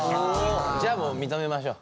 じゃあもう認めましょう。